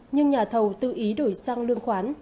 nhưng nhà thầu tư ý đổi sang lương khoán